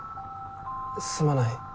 すまない。